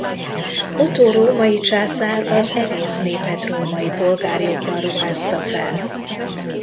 Otho római császár az egész népet római polgárjoggal ruházta fel.